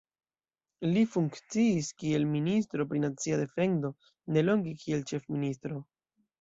Li funkciis kiel ministro por nacia defendo, nelonge kiel ĉefministro.